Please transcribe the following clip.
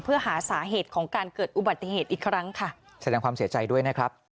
เพื่อหาสาเหตุของการเกิดอุบัติเหตุอีกครั้งค่ะแสดงความเสียใจด้วยนะครับ